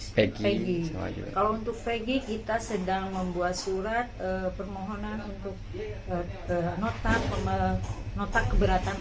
spek ini kalau untuk fg kita sedang membuat surat permohonan untuk notak notak keberatan